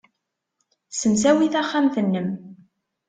Ssemsawi taxxamt-nnem.